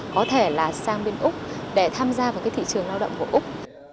có thể là sang bên úc để tham gia vào cái thị trường lao động của úc